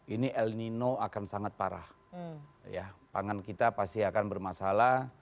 ini el nino akan sangat parah ya pangan kita pasti akan bermasalah